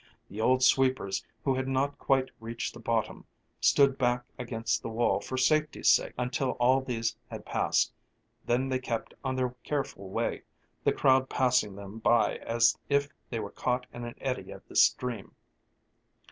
The old sweepers, who had not quite reached the bottom, stood back against the wall for safety's sake until all these had passed, then they kept on their careful way, the crowd passing them by as if they were caught in an eddy of the stream.